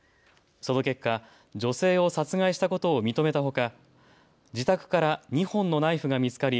その結果、女性を殺害したことを認めたほか自宅から２本のナイフが見つかり